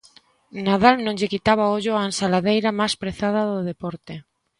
Nadal non lle quitaba ollo á ensaladeira máis prezada do deporte.